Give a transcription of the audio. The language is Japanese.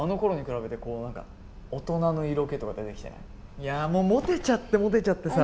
いやもうモテちゃってモテちゃってさ。